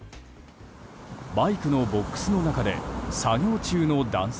バイクのボックスの中で作業中の男性。